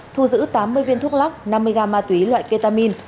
thu giữ tám mươi viên thuốc lắc năm mươi gram ma túy loại ketamin